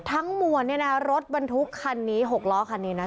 ทั้งมวลเนี่ยนะรถบรรทุกคันนี้๖ล้อคันนี้นะ